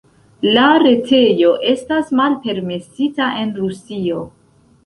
La retejo estas malpermesita en Rusio.